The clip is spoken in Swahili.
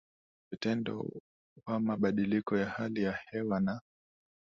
vitendo wa mabadiliko ya hali ya hewa na